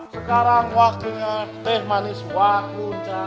sekarang waktunya teh manis waktu